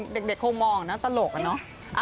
เด็กคงมองน่ะตลกน่ะ